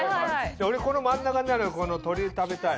じゃあ俺この真ん中にあるこの鳥食べたい。